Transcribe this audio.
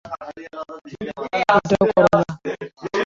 এটা করো না।